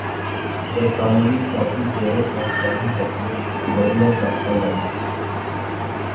برطانوی شاہی جوڑے کا شاہی حیثیت چھوڑنے کا اعلان